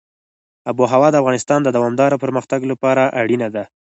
آب وهوا د افغانستان د دوامداره پرمختګ لپاره اړینه ده.